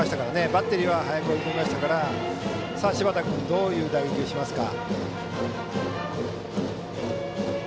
バッテリーは早く追い込みましたから柴田君、どういう打撃をしますか。